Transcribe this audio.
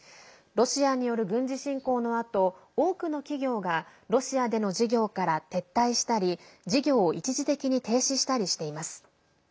ロシアによる軍事侵攻のあと多くの企業がロシアでの事業から撤退したり事業を一時的に停止したりしています。